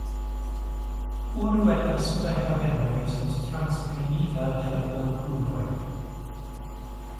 Unu el la sudaj havenoj estas transprenita de la blankuloj.